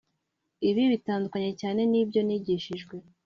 ibi bitandukanye cyane n’ibyo nigishijwe